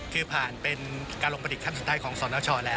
คือผ่านเป็นการลงประดิษฐขั้นสุดท้ายของสนชแล้ว